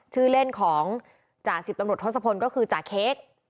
ชื่อเล่นของจ่าสิบตำรวจทศพลก็คือจ่าเค้ก